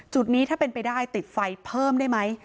นี้ถ้าเป็นไปได้ติดไฟเพิ่มได้ไหม